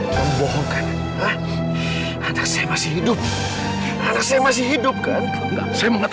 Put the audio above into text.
saya hanya berani mengatakan terhadap nenek